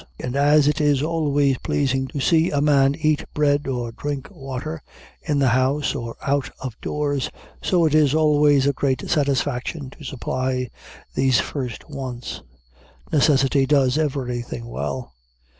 And as it is always pleasing to see a man eat bread, or drink water, in the house or out of doors, so it is always a great satisfaction to supply these first wants. Necessity does everything well.